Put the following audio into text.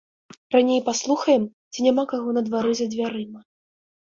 Раней паслухаем, ці няма каго на двары за дзвярыма.